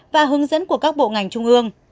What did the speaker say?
và hướng dẫn của các bộ ngành trung ương